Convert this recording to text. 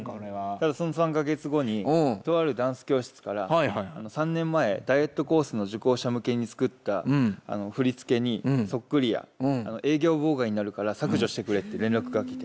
ただその３か月後にとあるダンス教室から「３年前ダイエットコースの受講者向けに作った振り付けにそっくりや営業妨害になるから削除してくれって」連絡が来て。